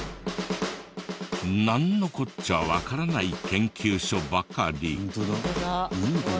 なんのこっちゃわからない研究所ばかり。